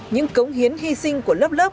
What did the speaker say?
những cống hiến hy sinh của lớp lớp